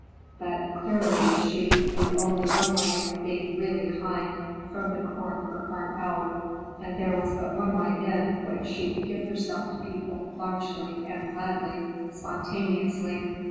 But, clearly, she knew only one way of being really kind, from the core of her heart out; and there was but one way in which she could give herself to people largely and gladly, spontaneously.